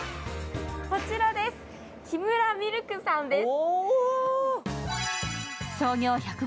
こちら、キムラミルクさんです。